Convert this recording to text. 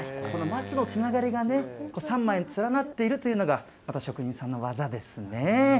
松のつながりがね、３枚に連なっているというのがまた職人さんの技ですね。